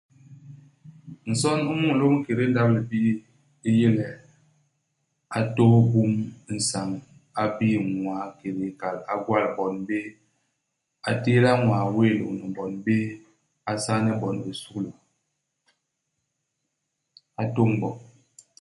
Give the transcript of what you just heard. Nson u mulôm i kédé ndap-libii u yé le, a tôôs bum i isañ. A bii ñwaa kiki me nkal. A gwal bon béé. A tééda ñwaa wéé lôñni bon béé. A saane bon bisukulu. A tôñ bo.